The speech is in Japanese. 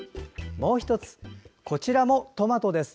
もう１つ、こちらもトマトです。